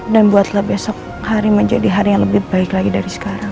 dan buatlah besok hari menjadi hari yang lebih baik lagi dari sekarang